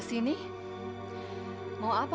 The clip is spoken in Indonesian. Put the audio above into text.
eh gini lagi gak ada